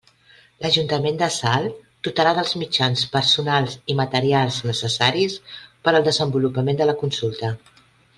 L'Ajuntament de Salt dotarà dels mitjans personals i materials necessaris per al desenvolupament de la consulta.